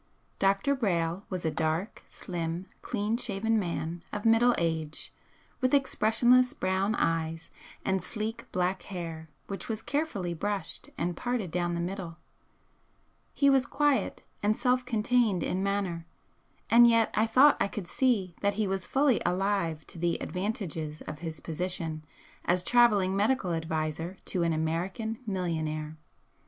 Dr. Brayle was a dark, slim, clean shaven man of middle age with expressionless brown eyes and sleek black hair which was carefully brushed and parted down the middle, he was quiet and self contained in manner, and yet I thought I could see that he was fully alive to the advantages of his position as travelling medical adviser to an American millionaire.